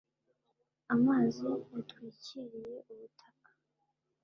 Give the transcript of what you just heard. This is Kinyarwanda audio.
amazi yatwikiriye ubutaka